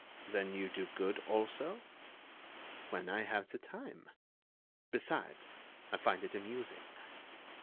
"Then you do good, also?" "When I have the time. Besides, I find it amusing.